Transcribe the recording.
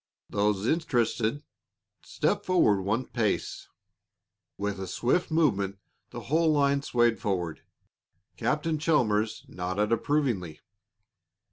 Those interested, step forward one pace." With a swift movement the whole line swayed forward. Captain Chalmers nodded approvingly.